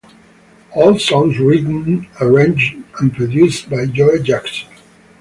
All songs written, arranged and produced by Joe Jackson.